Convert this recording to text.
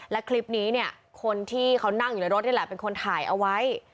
และคลิปนี้เนี่ยคนที่เขานั่งอยู่ในรถนี่แหละเป็นคนถ่ายเอาไว้